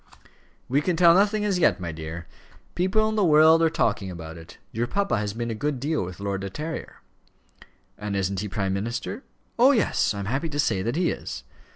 "We can tell nothing as yet, my dear. People in the world are talking about it. Your papa has been a good deal with Lord De Terrier." "And isn't he prime minister?" "Oh, yes; I am happy to say that he is."